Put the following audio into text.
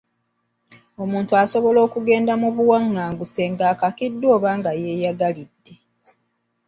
Omuntu asobola okugenda mu buwanganguse ng'akakiddwa oba nga yeeyagalidde.